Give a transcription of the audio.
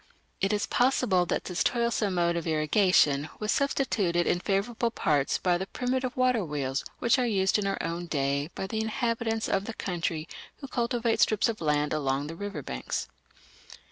It is possible that this toilsome mode of irrigation was substituted in favourable parts by the primitive water wheels which are used in our own day by the inhabitants of the country who cultivate strips of land along the river banks.